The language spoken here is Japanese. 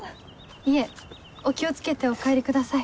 いえお気を付けてお帰りください。